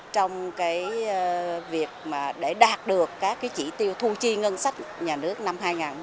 trong việc đạt được các chỉ tiêu thu chi ngân sách nhà nước năm hai nghìn một mươi tám